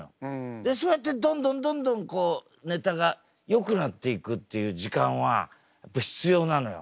でそうやってどんどんどんどんネタがよくなっていくっていう時間はやっぱ必要なのよ。